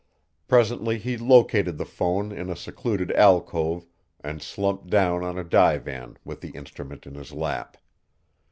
Presently he located the phone in a secluded alcove and slumped down on a divan with the instrument in his lap.